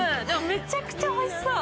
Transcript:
めちゃくちゃおいしそう。